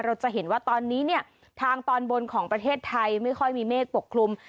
เราจะเห็นว่าตอนนี้เนี่ยทางตอนบนของประเทศไทยไม่ค่อยมีเมฆปกคลุม